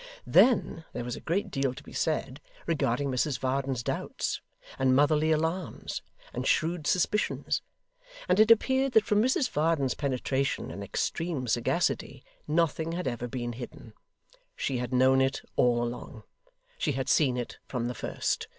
Then, there was a great deal to be said regarding Mrs Varden's doubts, and motherly alarms, and shrewd suspicions; and it appeared that from Mrs Varden's penetration and extreme sagacity nothing had ever been hidden. She had known it all along. She had seen it from the first.